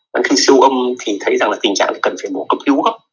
còn khi siêu âm thì thấy rằng là tình trạng cần phải mổ cấp cứu